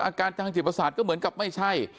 อาการทางจิตประสาทก็เหมือนกับไม่ใช่